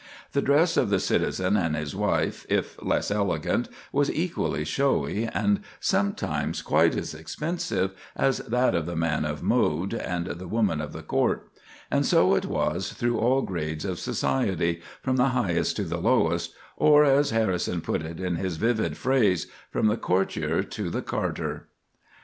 The dress of the citizen and his wife, if less elegant, was equally showy, and sometimes quite as expensive, as that of the man of mode and the woman of the court; and so it was through all grades of society, from the highest to the lowest, or, as Harrison put it in his vivid phrase, from the courtier to the carter.